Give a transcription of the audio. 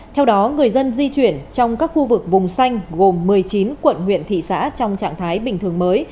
theo đó người dân di chuyển trong các khu vực vùng xanh gồm một mươi chín quận huyện thị xã trong trạng thái bình thường mới